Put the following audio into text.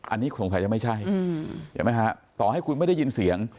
อันนี้สงสัยจะไม่ใช่เห็นไหมฮะต่อให้คุณไม่ได้ยินเสียง